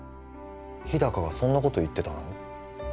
日高がそんなこと言ってたの？